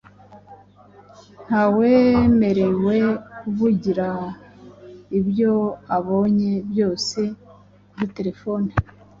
ntawemerewe kuvugira ibyo abonye byose kuri terefoni